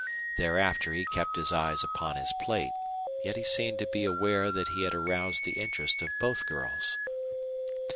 Thereafter he kept his eyes upon his plate, yet he seemed to be aware that he had aroused the interest of both girls.